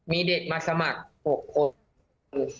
มีเด็กมาสมัคร๖คน